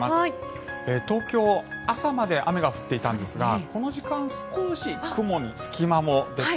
東京朝まで雨が降っていたんですがこの時間少し雲に隙間も出て。